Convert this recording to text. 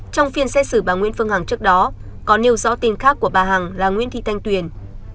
trong phiên xét xử bà nguyễn phương hằng trước đó có nêu rõ tên khác của bà hằng là nguyễn thị thanh tuyền